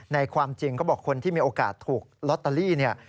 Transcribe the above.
ความจริงก็บอกคนที่มีโอกาสถูกลอตเตอรี่เนี่ย